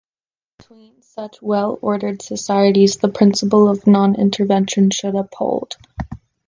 Between such well-ordered societies, the principle of non-intervention should uphold.